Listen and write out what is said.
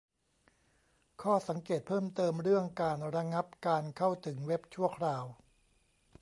ข้อสังเกตเพิ่มเติม เรื่องการ "ระงับการเข้าถึงเว็บชั่วคราว"